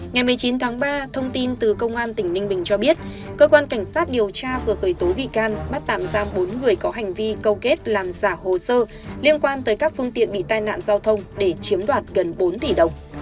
ngày một mươi chín tháng ba thông tin từ công an tỉnh ninh bình cho biết cơ quan cảnh sát điều tra vừa khởi tố bị can bắt tạm giam bốn người có hành vi câu kết làm giả hồ sơ liên quan tới các phương tiện bị tai nạn giao thông để chiếm đoạt gần bốn tỷ đồng